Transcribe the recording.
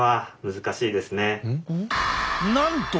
なんと！